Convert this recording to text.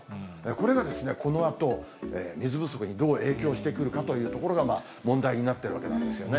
これがこのあと水不足にどう影響してくるかというところがまあ問題になっているわけなんですよね。